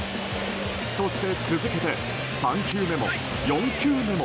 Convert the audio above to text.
そして続けて３球目も４球目も。